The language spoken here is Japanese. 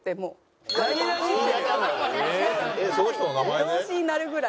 動詞になるぐらい。